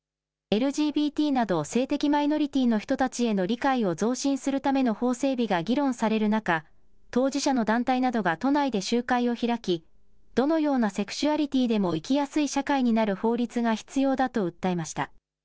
ＬＧＢＴなど性的マイノリティーの人たちへの理解を増進するための法整備が議論される中、当事者の団体などが都内で集会を開き、どのようなセクシュアリティーでも生きやすい社会になる法律が必要だと訴えました。